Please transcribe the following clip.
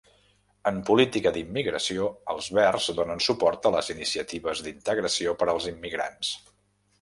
En política d'immigració, els verds donen suport a les iniciatives d'integració per als immigrants.